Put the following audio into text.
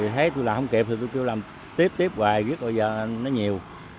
thấy tôi làm không kịp thì tôi kêu làm tiếp tiếp hoài biết bây giờ nó nhiều